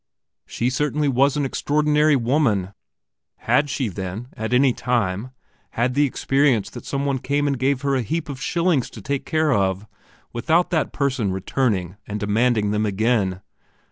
She certainly was an extraordinary woman. Had she, then, at any time, had the experience that some one came and gave her a heap of shillings to take care of, without that person returning and demanding them again?